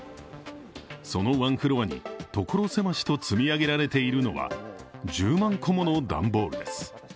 そのワンフロアに所狭しと積み上げられているのは１０万個もの段ボールです。